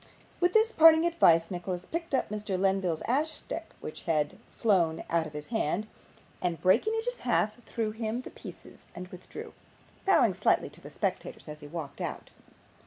With this parting advice Nicholas picked up Mr. Lenville's ash stick which had flown out of his hand, and breaking it in half, threw him the pieces and withdrew, bowing slightly to the spectators as he walked out.